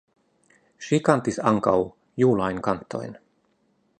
Ŝi kantis ankaŭ julajn kantojn.